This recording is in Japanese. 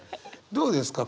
どうですか？